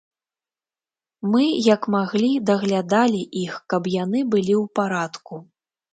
Мы, як маглі, даглядалі іх, каб яны былі ў парадку.